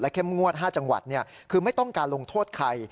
เข้มงวด๕จังหวัดคือไม่ต้องการลงโทษใคร